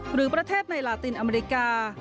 หรือประเทศในลาตินอเมริกา